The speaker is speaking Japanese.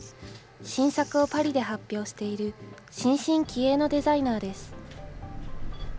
新作をパリで発表している新進気鋭のデザイナーです。